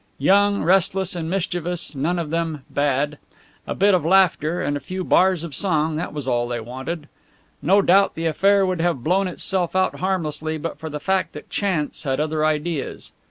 Young, restless, and mischievous none of them bad. A bit of laughter and a few bars of song that was all they wanted. No doubt the affair would have blown itself out harmlessly but for the fact that Chance had other ideas.